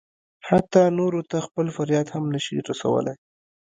حتی نورو ته خپل فریاد هم نه شي رسولی.